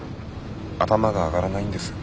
頭が上がらないんです。